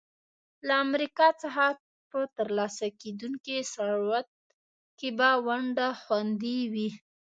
له امریکا څخه په ترلاسه کېدونکي ثروت کې به ونډه خوندي وي.